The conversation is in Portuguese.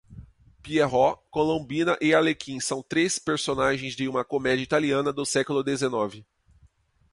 Pierrot, Colombina e Arlequim são três personagens de uma comédia italiana do século dezenove.